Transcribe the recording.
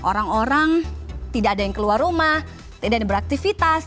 orang orang tidak ada yang keluar rumah tidak ada yang beraktivitas